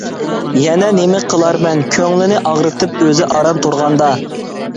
يەنە نېمە قىلارمەن كۆڭلىنى ئاغرىتىپ ئۆزى ئاران تۇرغاندا.